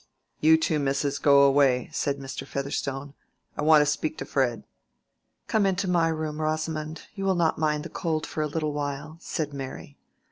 "You two misses go away," said Mr. Featherstone. "I want to speak to Fred." "Come into my room, Rosamond, you will not mind the cold for a little while," said Mary.